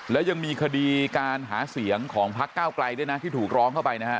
แล้วยังมีคดีการหาเสียงของพักเก้าไกลด้วยนะที่ถูกร้องเข้าไปนะฮะ